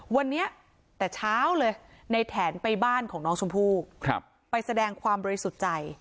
วันนี้แต่เช้าเลยในแถนไปบ้านของน้องชมพู่ไปแสดงความบริสุทธิ์ใจ